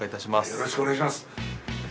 よろしくお願いします。